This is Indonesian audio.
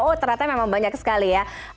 oh ternyata memang banyak sekali ya